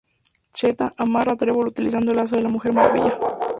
Cheetah amarra a Trevor utilizando el lazo de la Mujer Maravilla.